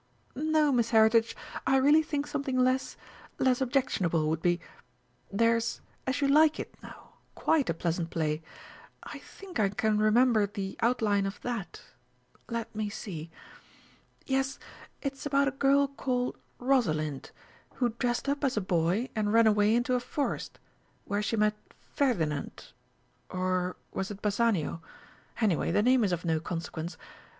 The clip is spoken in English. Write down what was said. "No, Miss Heritage, I really think something less less objectionable would be There's As you like it, now, quite a pleasant play. I think I can remember the outline of that. Let me see. Yes, it's about a girl called "Rosalind," who dressed up as a boy and ran away into a forest, where she met Ferdinand or was it Bassanio? anyway, the name is of no consequence.